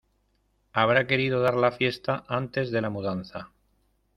Habrá querido dar la fiesta antes de la mudanza.